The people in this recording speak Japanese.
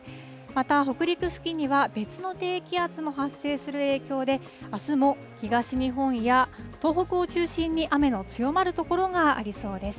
また北陸付近には別の低気圧も発生する影響で、あすも東日本や東北を中心に雨の強まる所がありそうです。